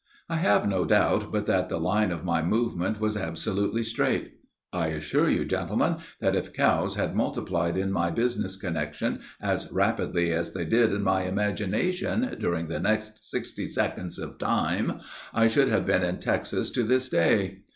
I have no doubt but that the line of my movement was absolutely straight. I assure you, gentlemen, that if cows had multiplied in my business connection as rapidly as they did in my imagination during the next sixty seconds of time, I should have been in Texas to this day.